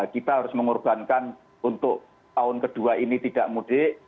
kita harus mengorbankan untuk tahun kedua ini tidak mudik